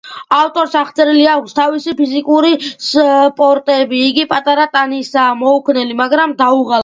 ავტორს აღწერილი აქვს თავისი ფიზიკური პორტრეტი: იგი პატარა ტანისაა, მოუქნელი, მაგრამ დაუღალავი.